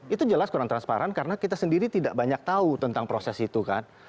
itu jelas kurang transparan karena kita sendiri tidak banyak tahu tentang proses itu kan